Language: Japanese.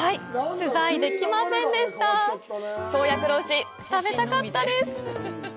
取材できませんでした宗谷黒牛、食べたかったです。